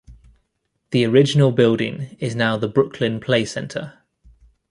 The original building is now the Brooklyn Playcentre.